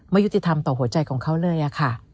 ยุติธรรมต่อหัวใจของเขาเลยค่ะ